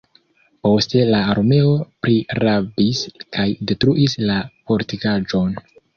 Poste la armeo prirabis kaj detruis la fortikaĵon.